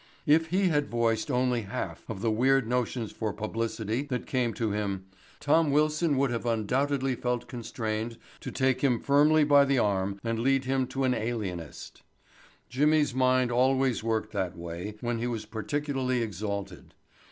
If he had voiced only half of the weird notions for publicity that came to him, Tom Wilson would have undoubtedly felt constrained to take him firmly by the arm and lead him to an alienist. Jimmy's mind always worked that way when he was particularly exalted.